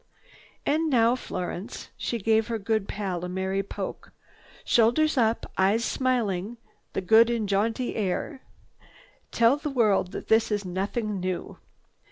"And now, Florence!" She gave her good pal a merry poke. "Shoulders up, eyes smiling, the good and jaunty air. Tell the world that this is nothing new.